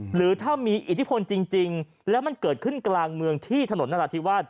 หรือถ้ามีอิทธิพลจริงแล้วมันเกิดขึ้นกลางเมืองที่ถนนนราธิวาส